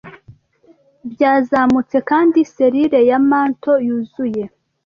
byazamutsekandi selile ya mantle yuzuye